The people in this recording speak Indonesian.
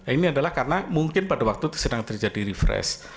ini adalah karena mungkin pada waktu itu sedang terjadi refresh